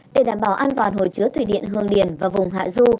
để đảm bảo an toàn hồi chứa thủy điện hương điền và vùng hạ du